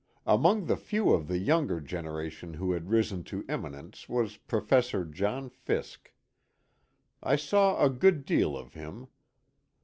Among the few of the younger generation who had risen to eminence was Professor John Fiske. I saw a good deal of him.